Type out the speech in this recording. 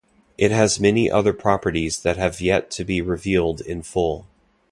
It has many other properties that have yet to be revealed in full.